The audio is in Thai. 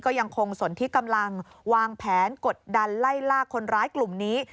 ก็ยังคงสนที่กำลังวางแผนกดดันไล่ล่าคนร้ายกลุ่มนี้